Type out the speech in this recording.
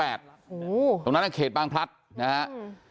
โอ้โฮตรงนั้นคือเขตบางพลัทนะครับ